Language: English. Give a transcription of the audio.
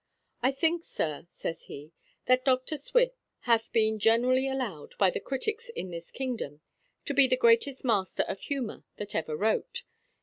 "I think, sir," says he, "that Dr Swift hath been generally allowed, by the critics in this kingdom, to be the greatest master of humour that ever wrote.